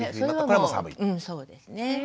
うんそうですね。